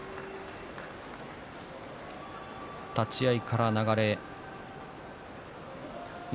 立ち合いからの流れ